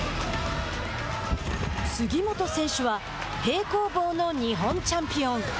杉本選手は平行棒の日本チャンピオン。